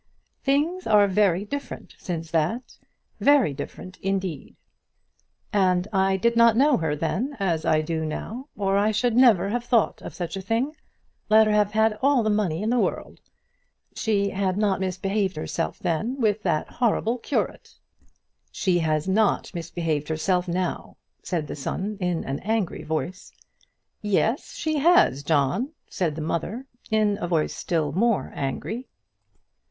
"Things are very different since that; very different indeed. And I did not know her then as I do now, or I should never have thought of such a thing, let her have had all the money in the world. She had not misbehaved herself then with that horrible curate." "She has not misbehaved herself now," said the son, in an angry voice. "Yes, she has, John," said the mother, in a voice still more angry.